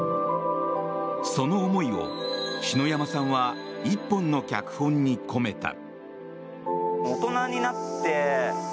その思いを篠山さんは１本の脚本に込めた。